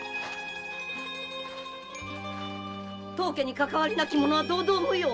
当家にかかわりなき者は同道無用！